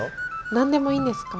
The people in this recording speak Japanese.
何でもいいんですか？